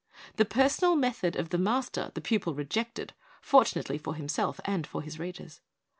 The personal method of the master the pupil rejected, fortunately for himself and for his readers.